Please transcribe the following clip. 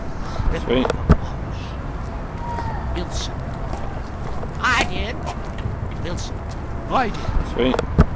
[A ripple of applause.] Billson. "I did!" Wilson. "I did!"